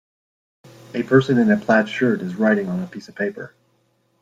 A person in a plaid shirt is writing on a piece of paper.